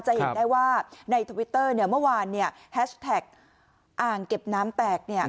จะเห็นได้ว่าในทวิตเตอร์เนี่ยเมื่อวานเนี่ยแฮชแท็กอ่างเก็บน้ำแตกเนี่ย